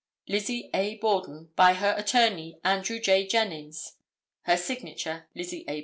"Lizzie A. Borden, by her attorney, Andrew J. Jennings, (Her signature) Lizzie A.